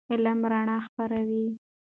علم رڼا خپروي.